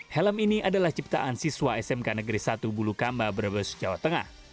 helm ini adalah ciptaan siswa smk negeri satu bulukamba brebes jawa tengah